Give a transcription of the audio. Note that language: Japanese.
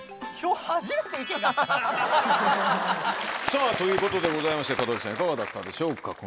さぁということでございまして門脇さんいかがだったでしょう。